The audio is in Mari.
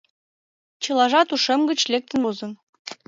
Чылажат ушем гыч лектын возын.